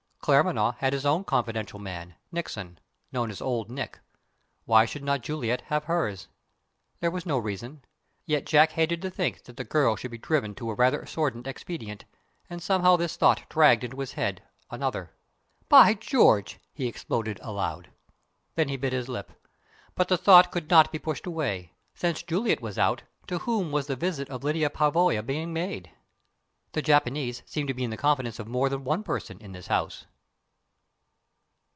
Claremanagh had his own confidential man, Nickson (known as "Old Nick"); why should not Juliet have hers? There was no reason. Yet Jack hated to think that the girl should be driven to a rather sordid expedient, and somehow this thought dragged into his head another. "By George!" he exploded aloud. Then he bit his lip. But the thought could not be pushed away. Since Juliet was out, to whom was the visit of Lyda Pavoya being made? The Japanese seemed to be in the confidence of more than one person in this house!